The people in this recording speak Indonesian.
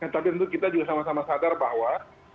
tapi tentu kita juga sama sama sadar bahwa